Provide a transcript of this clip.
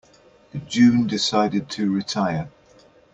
June decided to retire.